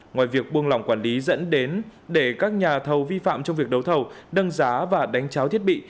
ngoài việc buông lòng quản lý dẫn đến để các nhà thầu vi phạm trong việc đấu thầu nâng giá và đánh cháo thiết bị